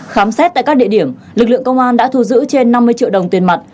khám xét tại các địa điểm lực lượng công an đã thu giữ trên năm mươi triệu đồng tiền mặt